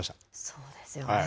そうですよね。